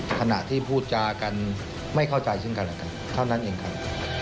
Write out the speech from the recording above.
ขณะที่พูดจากันไม่เข้าใจซึ่งกันแล้วกันเท่านั้นเองครับ